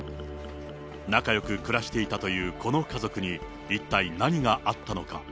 仲よく暮らしていたというこの家族に、一体何があったのか。